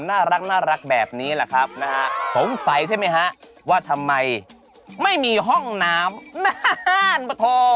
น่ารักแบบนี้แหละครับนะฮะสงสัยใช่ไหมฮะว่าทำไมไม่มีห้องน้ำนานปะโถ